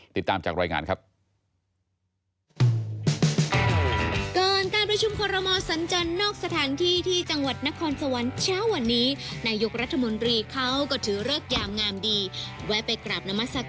ติดตามจากรายงานครับ